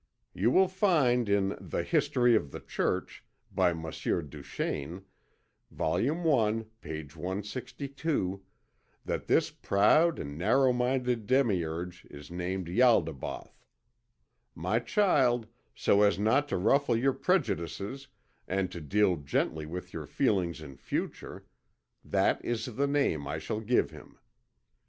You will find in the History of the Church, by Monsignor Duchesne Vol. I, page 162 that this proud and narrow minded demiurge is named Ialdabaoth. My child, so as not to ruffle your prejudices and to deal gently with your feelings in future, that is the name I shall give him.